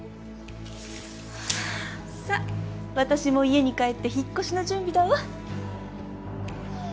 さっ私も家に帰って引っ越しの準備だわ。